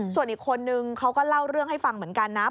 ส่วนอีกคนนึงเขาก็เล่าเรื่องให้ฟังเหมือนกันนะ